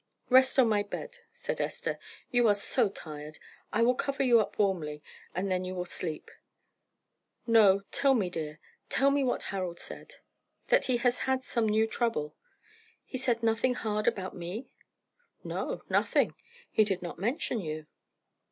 "Rest on my bed," said Esther. "You are so tired. I will cover you up warmly, and then you will sleep." "No tell me, dear tell me what Harold said." "That he has had some new trouble." "He said nothing hard about me?" "No nothing. He did not mention you."